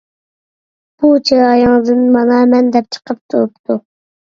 بۇ، چىرايىڭدىن مانا مەن دەپ چىقىپ تۇرۇپتۇ.